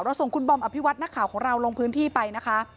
ส่งคุณบอมอภิวัตนักข่าวของเราลงพื้นที่ไปนะคะ